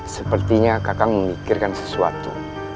sepertinya kakak memikirkan sesuatu